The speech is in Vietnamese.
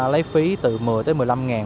lấy phí từ một mươi một mươi năm ngàn